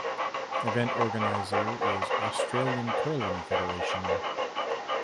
Event organizer is Australian Curling Federation.